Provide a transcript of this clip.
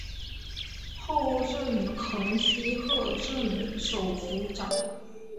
后任横须贺镇守府长。